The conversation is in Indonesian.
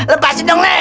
lepasin dong nek